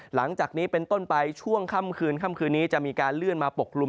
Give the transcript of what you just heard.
หลังจากนี้เป็นต้นไปช่วงค่ำคืนค่ำคืนนี้จะมีการเลื่อนมาปกกลุ่ม